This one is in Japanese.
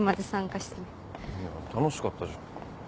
楽しかったじゃん。